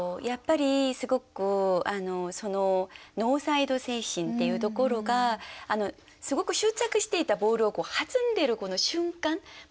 やっぱりすごくそのノーサイド精神っていうところがすごく執着していたボールを弾んでいるこの瞬間。